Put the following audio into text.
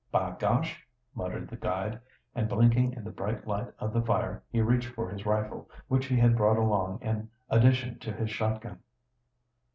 "By gosh!" muttered the guide, and blinking in the bright light of the fire, he reached for his rifle, which he had brought along in addition to his shotgun.